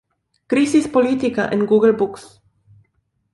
Crisis política en Google books.